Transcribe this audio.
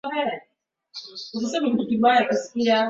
Kaka yangu ni mzuri.